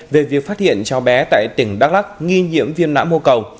về việc phát hiện cháu bé tại tỉnh đắk lắc nghi nhiễm viêm não mô cầu